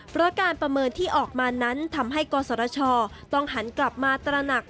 เพราะการประเมินที่ออกมานั้นทำให้กศชต้องหันกลับมาตระหนัก